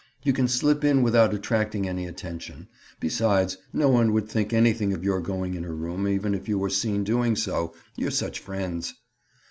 You can slip in without attracting any attention. Besides no one would think anything of your going in her room, even if you were seen doing so—you're such friends."